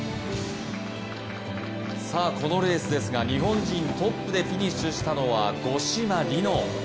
このレースですが、日本人トップでフィニッシュしたのは五島莉乃。